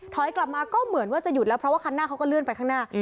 กลับมาก็เหมือนว่าจะหยุดแล้วเพราะว่าคันหน้าเขาก็เลื่อนไปข้างหน้า